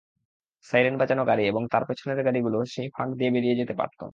Siren বাজানো গাড়ি এবং তার পেছনের গাড়িগুলো সেই ফাঁক দিয়ে বেরিয়ে যেতে পারত।